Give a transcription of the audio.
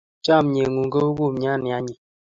Chamyengung ko u kumnyat ne anyiny